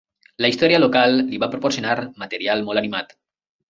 La història local li va proporcionar material molt animat.